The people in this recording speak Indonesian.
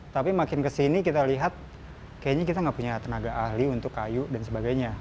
tapi makin kesini kita lihat kayaknya kita nggak punya tenaga ahli untuk kayu dan sebagainya